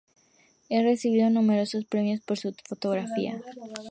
Ha recibido numerosos premios por su fotografía.